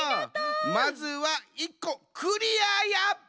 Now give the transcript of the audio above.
まずは１こクリアや！